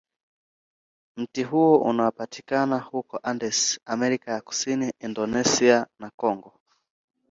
Mti huo unapatikana huko Andes, Amerika ya Kusini, Indonesia, na Kongo.